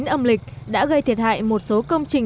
âm lịch đã gây thiệt hại một số công trình